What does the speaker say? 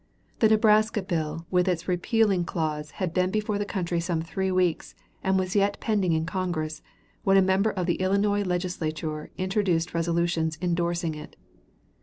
The Nebraska bill with its repealing clause had been before the country some three weeks and was yet pending in Congress when a member of the Illinois Legislature introduced resolutions indorsing it.